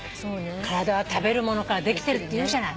体は食べるものからできてるっていうじゃない。